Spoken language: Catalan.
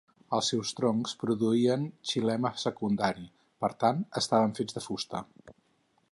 Els seus troncs produïen xilema secundari, per tant estaven fets de fusta.